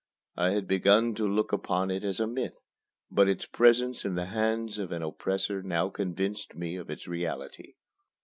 I had begun to look upon it as a myth; but its presence in the hands of an oppressor now convinced me of its reality.